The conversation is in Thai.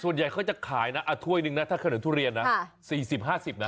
ส่วนใหญ่เขาจะขายนะถ้าขนาดถุเรียนนะ๔๐๕๐บาท